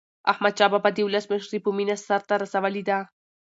احمدشاه بابا د ولس مشري په مینه سرته رسولې ده.